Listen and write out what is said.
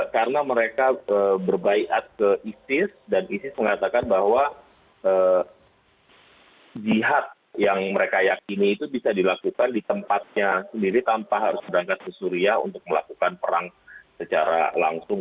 karena mereka berbaikat ke isis dan isis mengatakan bahwa jihad yang mereka yakini itu bisa dilakukan di tempatnya sendiri tanpa harus berangkat ke syria untuk melakukan perang secara langsung